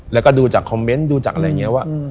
แล้วก็ดูจากคอมเมนต์ดูจากอะไรอย่างนี้ว่า